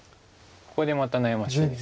ここでまた悩ましいです。